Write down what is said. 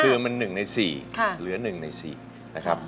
คือมันหนึ่งในสี่เหลือหนึ่งในสี่นะครับ